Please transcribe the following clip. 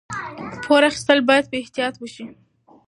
پور اخیستل باید په احتیاط وشي.